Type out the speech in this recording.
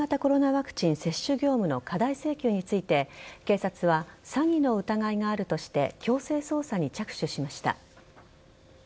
ワクチン接種業務の過大請求について警察は詐欺の疑いがあるとして強制捜査に着手しました。